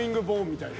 みたいな。